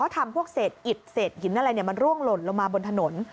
ทำพวกเศษอิดเศษหินอะไรมันร่วงหล่นลงมาบนถนน